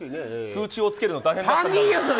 通知表をつけるの大変だった。